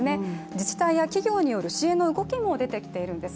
自治体や企業による支援の動きも出てきているんです。